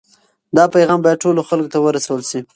دا پیغام باید ټولو خلکو ته ورسول سي.